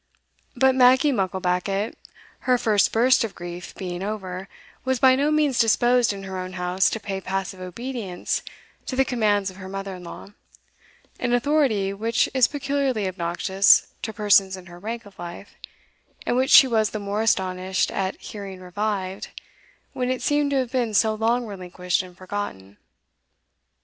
But Maggie Mucklebackit, her first burst of grief being over, was by no means disposed in her own house to pay passive obedience to the commands of her mother in law, an authority which is peculiarly obnoxious to persons in her rank of life, and which she was the more astonished at hearing revived, when it seemed to have been so long relinquished and forgotten.